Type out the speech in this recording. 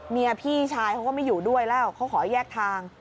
พี่ชายเขาก็ไม่อยู่ด้วยแล้วเขาขอแยกทาง